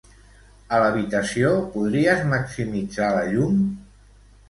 A l'habitació, podries maximitzar la llum?